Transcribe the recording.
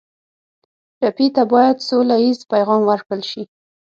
ټپي ته باید سوله ییز پیغام ورکړل شي.